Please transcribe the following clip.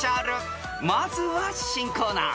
［まずは新コーナー］